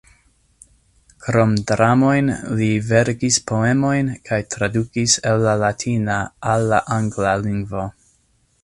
Krom dramojn li verkis poemojn kaj tradukis el la latina al la angla lingvo.